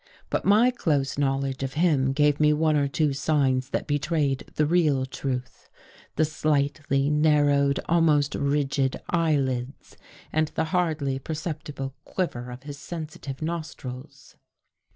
But my close knowledge of him gave me one or two signs that betrayed the real truth — the slightly nar rowed, almost rigid eyelids and the hardly percep tible quiver of his sensitive nostrils.